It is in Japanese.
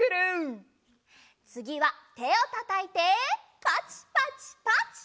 つぎはてをたたいてパチパチパチ。